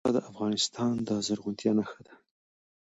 واوره د افغانستان د زرغونتیا نښه ده.